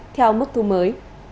theo mức thu mới